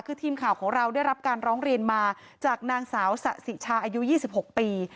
คือทีมข่าวของเราได้รับการร้องเรียนมาจากนางสาวสะสิชาอายุ๒๖ปี